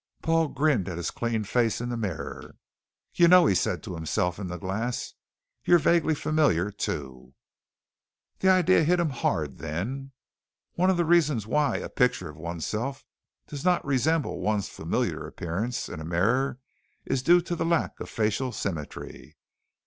Paul grinned at his clean face in the mirror. "Y'know," he said to himself in the glass, "You're vaguely familiar, too." The idea hit him hard, then. One of the reasons why a picture of one's self does not resemble one's familiar appearance in a mirror is due to the lack of facial symmetry.